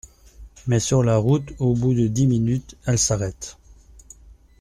Mais sur la route, au bout de dix minutes, elle s’arrête.